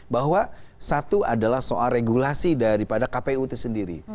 bahwa satu adalah soal regulasi daripada kput sendiri